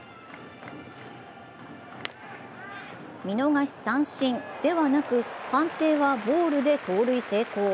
見逃し三振ではなく、判定はボールで盗塁成功。